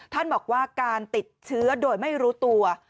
ท่านบอกว่าการติดเชื้อโดยไม่รู้ตัว